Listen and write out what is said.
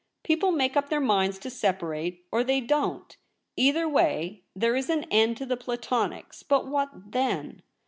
People make up their minds to separate — or — they don't. Either way, there is an end to the Platonics. But what then